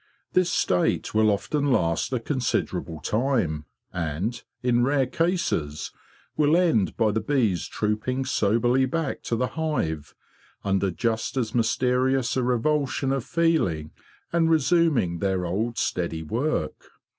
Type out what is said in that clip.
This state will often last a considerable time, and, in rare cases, will end by the bees trooping soberly back to the hive under just as mysterious a revulsion of feeling and resuming their old steady work.